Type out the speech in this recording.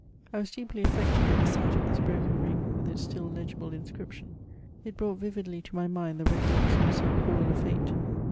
I was deeply a£Fected at the sight of this broken ring, with its still legible inscription ; it brought vividly to my mind the recollection of so cruel a fate.